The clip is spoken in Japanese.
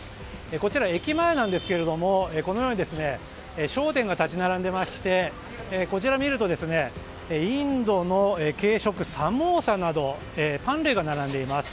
こちら、駅前なんですけれどもこのように商店が立ち並んでましてこちらを見ると、インドの軽食サモーサなどパン類が並んでいます。